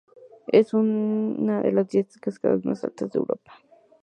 Es una de las diez cascadas más altas de Europa.